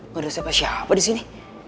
gak ada siapa siapa disini